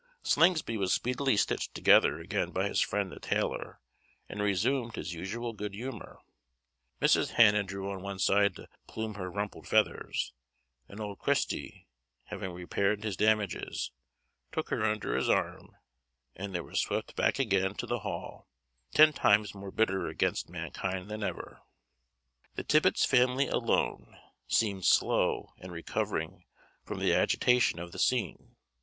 Slingsby was speedily stitched together again by his friend the tailor, and resumed his usual good humour. Mrs. Hannah drew on one side to plume her rumpled feathers; and old Christy, having repaired his damages, took her under his arm, and they swept back again to the Hall, ten times more bitter against mankind than ever. [Illustration: Rumpled Feathers] The Tibbets family alone seemed slow in recovering from the agitation of the scene.